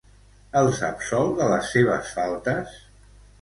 Els absol de les seves faltes?